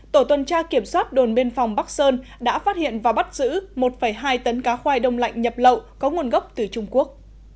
tổ tuần tra kiểm soát đồn biên phòng bắc sơn đã phát hiện và bắt giữ một hai tấn cá khoai đông lạnh nhập lậu có nguồn gốc từ trung quốc